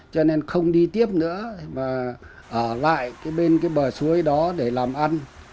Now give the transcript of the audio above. cho nên không đi tiếp nữa mà ở lại cái bên cái bờ suối đó để làm ăn